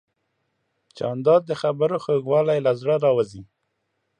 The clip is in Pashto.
جانداد د خبرو خوږوالی له زړه راوزي.